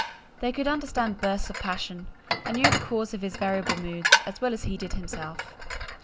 They could understand bursts of passion, and knew the cause of his variable moods as well as he did himself.